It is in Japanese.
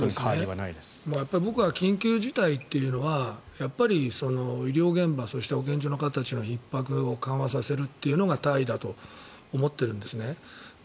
僕は緊急事態というのは医療現場そして保健所の方たちのひっ迫を緩和させるというのが大義だと思ってるんですね。